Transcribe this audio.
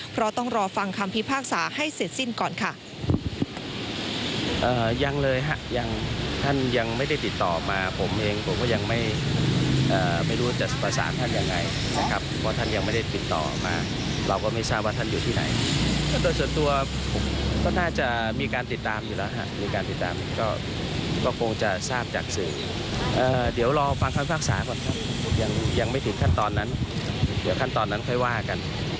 เพราะต้องรอฟังคำพิพากษาให้เสร็จสิ้นก่อนค่ะ